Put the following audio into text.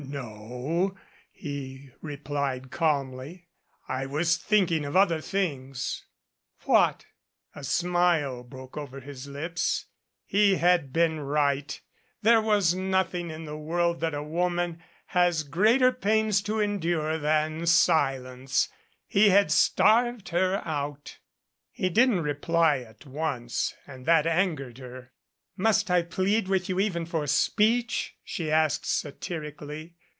"No," he replied calmly. "I was thinking of other things." "What?" A smile broke over his lips. He had been right. There was nothing in the world that a woman has greater pains to endure than silence. He had starved her out. He didn't reply at once, and that angered her. "Must I plead with you even for speech?" she asked satirically.